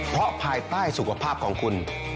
เพราะภายใต้สุขภาพของคุณ